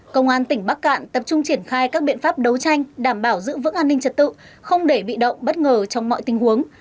công an tỉnh bắc cạn tập trung triển khai các biện pháp đấu tranh đảm bảo giữ vững an ninh trật tự không để bị động bất ngờ trong mọi tình huống